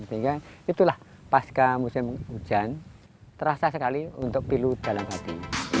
sehingga itulah pasca musim hujan terasa sekali untuk pilu dalam hati